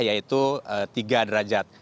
yaitu tiga derajat